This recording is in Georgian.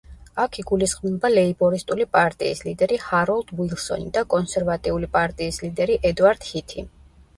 აქ იგულისხმება ლეიბორისტული პარტიის ლიდერი ჰაროლდ უილსონი და კონსერვატიული პარტიის ლიდერი ედვარდ ჰითი.